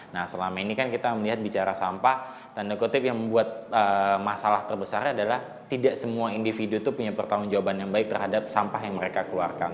nah selama ini kan kita melihat bicara sampah tanda kutip yang membuat masalah terbesar adalah tidak semua individu itu punya pertanggung jawaban yang baik terhadap sampah yang mereka keluarkan